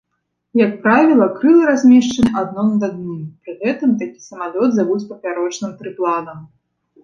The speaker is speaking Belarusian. Як правіла, крылы размешчаныя адно над адным, пры гэтым такі самалёт завуць папярочным трыпланам.